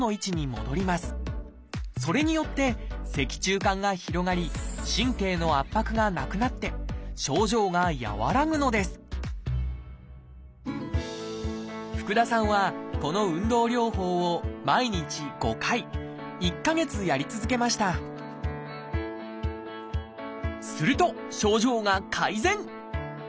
それによって脊柱管が広がり神経の圧迫がなくなって症状が和らぐのです福田さんはこの運動療法を毎日５回１か月やり続けましたすると症状が改善！